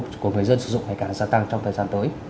của người dân sử dụng ngày càng gia tăng trong thời gian tới